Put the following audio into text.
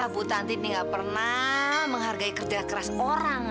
bu tanti ini gak pernah menghargai kerja keras orang